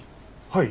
はい。